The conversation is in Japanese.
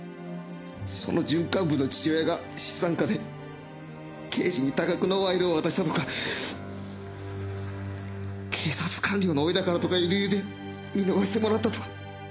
その準幹部の父親が資産家で刑事に多額の賄賂を渡したとか警察官僚の甥だからとかいう理由で見逃してもらったとか。